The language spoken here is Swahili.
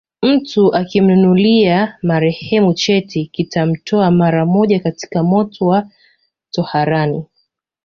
Mtu akimnunulia marehemu cheti kitamtoa mara moja katika moto wa toharani